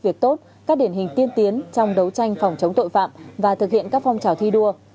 việc tốt các điển hình tiên tiến trong đấu tranh phòng chống tội phạm và thực hiện các phong trào thi đua